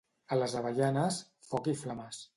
A les Avellanes, foc i flames.